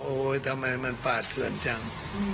ทำไมมันป่าเถื่อนจัง